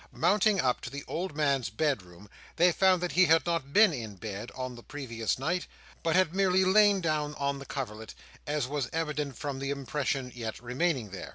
Mounting up to the old man's bed room, they found that he had not been in bed on the previous night, but had merely lain down on the coverlet, as was evident from the impression yet remaining there.